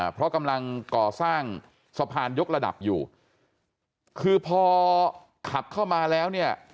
เพราะกำลังก่อสร้างสะพานยกระดับอยู่คือพอขับเข้ามาแล้วเนี่ย